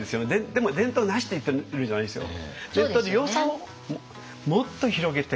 でも伝統なしって言ってるんじゃないですよ。